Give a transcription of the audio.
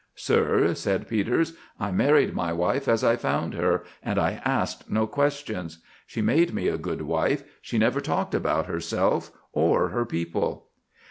"Sir," said Peters, "I married my wife as I found her, and I asked no questions. She made me a good wife. She never talked about herself or her people."